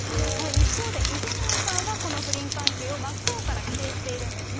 一方で、イ・ジェミョンさんはこの不倫関係を真っ向から否定しているんですね。